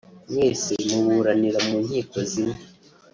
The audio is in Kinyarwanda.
mwese muburanira mu nkiko zimwe